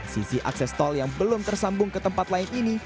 sisi akses tol yang belum tersambung ke tempat lain ini